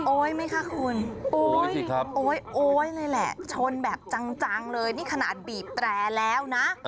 โอ๊ยไม่ค่ะคุณโอ๊ยเลยแหละชนแบบจังเลยนี่ขนาดบีบแตรแล้วนะ